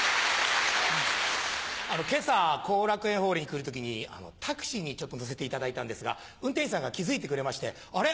今朝後楽園ホールに来る時にタクシーに乗せていただいたんですが運転手さんが気付いてくれまして「あれ？